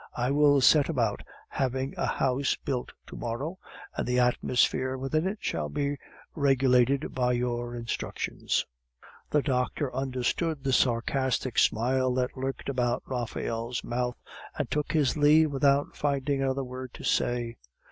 I will set about having a house built to morrow, and the atmosphere within it shall be regulated by your instructions." The doctor understood the sarcastic smile that lurked about Raphael's mouth, and took his leave without finding another word to say.